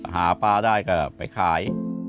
หาปลาได้ก็ไปขาย